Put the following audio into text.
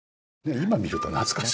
今見ると懐かしい。